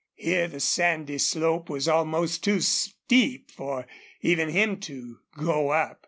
Here the sandy slope was almost too steep for even him to go up.